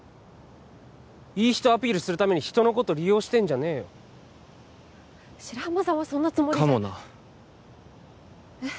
いい人アピールするために人のこと利用してんじゃねえよ白浜さんはそんなつもりじゃかもなえっ！？